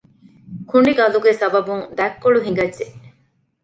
ކުނޑިގަލުގެ ސަބަބުން ދަތްކޮޅު ހިނގައްޖެ